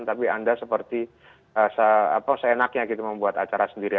tapi anda seperti seenaknya gitu membuat acara sendiri